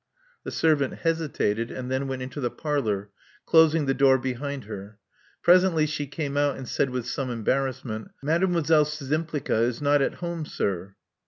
The servant hesitated, and then went into the parlor, closing the door behind her. Presently she came out, and said with some embarrassment, Maddim Chim pleetsa is not at home, sir."